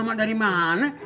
nama dari mana